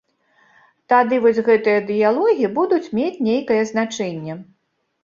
Тады вось гэтыя дыялогі будуць мець нейкае значэнне.